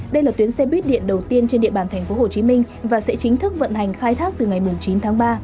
đây là tuyến xe buýt điện đầu tiên trên địa bàn thành phố hồ chí minh và sẽ chính thức vận hành khai thác từ ngày chín tháng ba